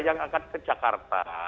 yang akan ke jakarta